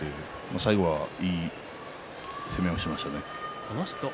最後はいい攻めをしましたね。